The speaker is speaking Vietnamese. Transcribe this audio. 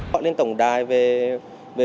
họ lên tổng đài về